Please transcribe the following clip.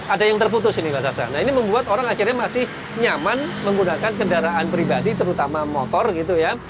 ada yang terputus ini pak sasar nah ini membuat orang akhirnya masih nyaman menggunakan kendaraan pribadi terutama motor gitu ya